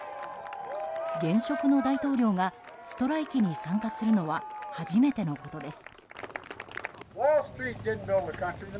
現職の大統領がストライキに参加するのは初めてのことです。